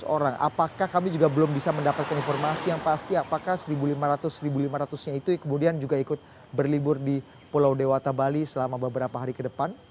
lima ratus orang apakah kami juga belum bisa mendapatkan informasi yang pasti apakah satu lima ratus satu lima ratus nya itu kemudian juga ikut berlibur di pulau dewata bali selama beberapa hari ke depan